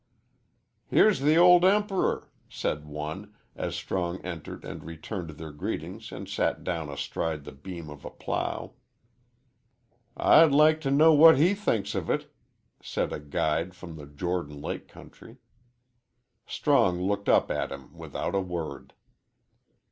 "Here's the old Emp'ror," said one, as Strong entered and returned their greetings and sat down astride the beam of a plough. "I'd like to know what he thinks of it," said a guide from the Jordan Lake country. Strong looked up at him without a word.